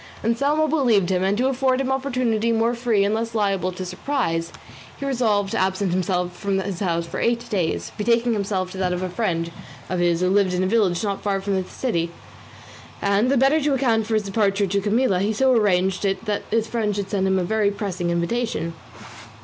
Anselmo believed him, and to afford him an opportunity more free and less liable to surprise, he resolved to absent himself from his house for eight days, betaking himself to that of a friend of his who lived in a village not far from the city; and, the better to account for his departure to Camilla, he so arranged it that the friend should send him a very pressing invitation.